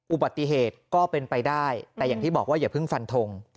อุบัติเหตุก็เป็นไปได้แต่อย่างที่บอกว่าอย่าเพิ่งฟันทง